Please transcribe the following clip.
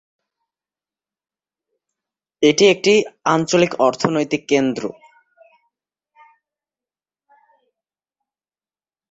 এটি একটি আঞ্চলিক অর্থনৈতিক কেন্দ্র।